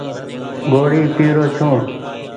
ڳوڙي پيرو ڇون ۔